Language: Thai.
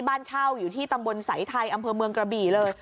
บ้านเช่าอยู่ที่ตำบลสายไทยอำเภอเมืองกระบี่เลย